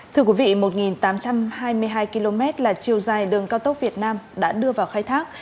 thưa quý vị một tám trăm hai mươi hai km là chiều dài đường cao tốc việt nam đã đưa vào khai thác